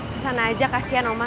kesana aja kasihan oma